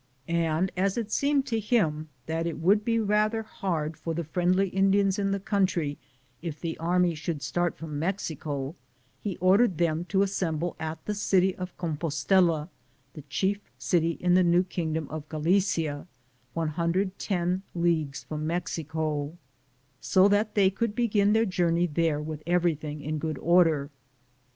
And as it seemed to him that it would be rather hard for the friendly Indians in the country if the army should start from Mexico, he ordered them to as semble at the city of Compostela, the chief city in the New Kingdom of Galicia, 110 leagues from Mexico, so that they could begin their journey there with everything in good order.